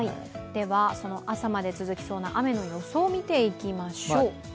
その朝まで続きそうな雨の予想、見ていきましょう。